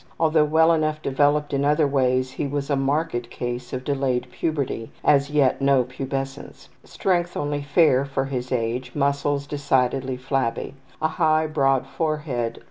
Although well enough developed in other ways he was a marked case of delayed puberty; as yet no pubescence. Strength only fair; for his age, muscles decidedly flabby. A high, broad forehead.